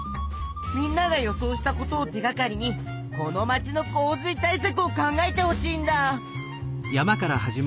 みんなが予想したことを手がかりにこの街の洪水対さくを考えてほしいんだ！